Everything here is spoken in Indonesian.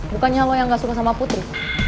bukannya lo yang gak suka sama putri